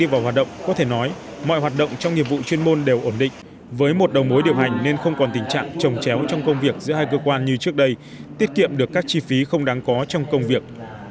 với nhiệm vụ chuyên môn đều ổn định với một đầu mối điều hành nên không còn tình trạng trồng chéo trong công việc giữa hai cơ quan như trước đây tiết kiệm được các chi phí không đáng có trong công việc